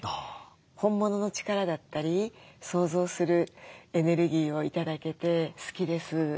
本物の力だったり創造するエネルギーを頂けて好きです。